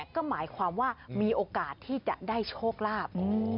ก็หมายความว่ามีโอกาสที่จะได้โชคลาภ